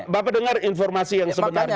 bapak dengar informasi yang sebenarnya